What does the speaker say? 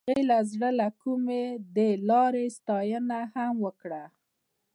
هغې د زړه له کومې د لاره ستاینه هم وکړه.